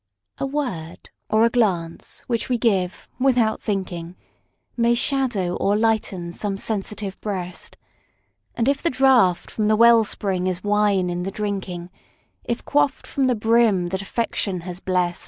A word or a glance which we give "without thinking", May shadow or lighten some sensitive breast; And the draught from the well spring is wine in the drinking, If quaffed from the brim that Affection has blest.